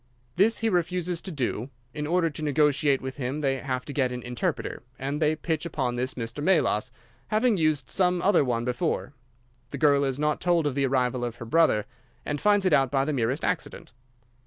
This he refuses to do. In order to negotiate with him they have to get an interpreter, and they pitch upon this Mr. Melas, having used some other one before. The girl is not told of the arrival of her brother, and finds it out by the merest accident."